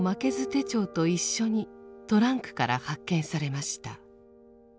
手帳と一緒にトランクから発見されました。